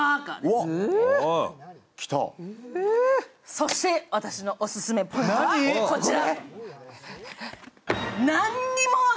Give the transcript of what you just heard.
そして、私のオススメポイントはこちら。